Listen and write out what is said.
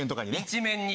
一面に。